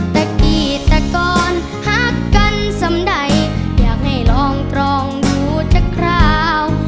สกิตกรฮักกันสำใดอยากให้ลองกรองดูจะคราว